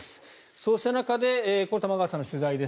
そうした中で玉川さんの取材です。